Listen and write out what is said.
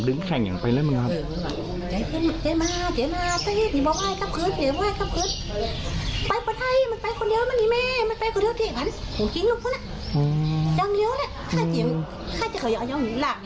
ดึงแข่งอย่างไปเลยมั้ยครับ